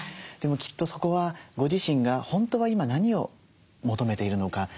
でもきっとそこはご自身が本当は今何を求めているのか？